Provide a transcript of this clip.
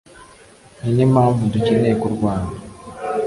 ninimpamvu dukeneye kurwana